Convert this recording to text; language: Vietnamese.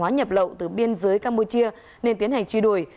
nhập lậu từ biên giới campuchia nên tiến hành truy đuổi